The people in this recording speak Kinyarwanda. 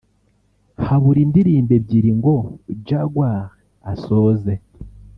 Habura indirimbo ebyiri ngo Jaguar asoze